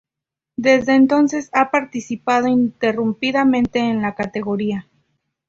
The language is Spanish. Desde ese entonces ha participado ininterrumpidamente en la categoría.